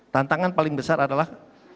tantangan paling besar adalah